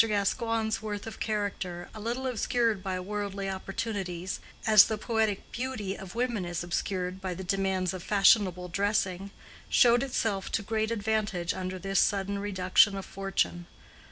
Gascoigne's worth of character, a little obscured by worldly opportunities—as the poetic beauty of women is obscured by the demands of fashionable dressing—showed itself to great advantage under this sudden reduction of fortune.